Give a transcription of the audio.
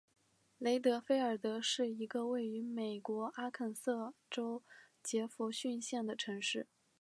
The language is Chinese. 雷德菲尔德是一个位于美国阿肯色州杰佛逊县的城市。